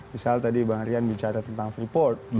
misal tadi bang rian bicara tentang freeport